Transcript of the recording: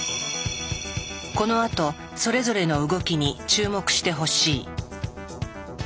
このあとそれぞれの動きに注目してほしい。